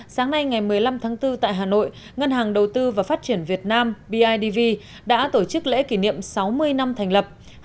sáng nay ngày một mươi năm tháng bốn tại hà nội ngân hàng đầu tư và phát triển việt nam bidv đã tổ chức lễ kỷ niệm sáu mươi năm thành lập